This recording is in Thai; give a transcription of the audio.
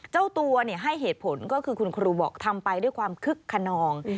เจ้าตัวให้เหตุผลก็คือคุณครูบอกทำไปด้วยความคึกขนอง